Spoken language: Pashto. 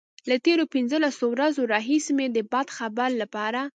له تېرو پنځلسو ورځو راهيسې مې د بد خبر لپاره.